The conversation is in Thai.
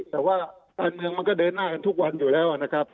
แต่ว่าการเมืองมันก็เดินหน้ากันทุกวันอยู่แล้วนะครับ